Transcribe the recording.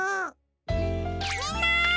みんな！